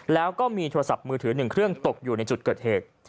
แล้วก็มีโทรศัพท์มือถือ๑เครื่องตกอยู่ในจุดเกิดเหตุ